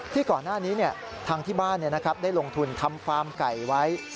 ที่ก่อนหน้านี้ทางที่บ้านได้ลงทุนทำฟาร์มไก่ไว้